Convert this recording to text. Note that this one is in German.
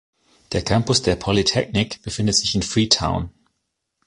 Der Campus der Polytechnic befindet sich in Freetown.